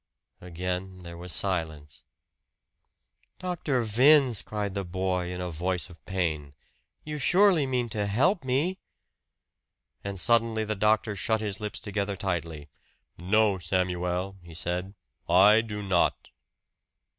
Again there was silence. "Dr. Vince," cried the boy in a voice of pain, "you surely mean to help me!" And suddenly the doctor shut his lips together tightly. "No, Samuel," he said. "I do not!"